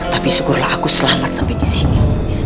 tapi syukurlah aku selamat sampai di sini